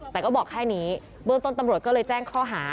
แต่ก็บอกแค่นี้เบื้องต้นตำรวจก็เลยแจ้งข้อหา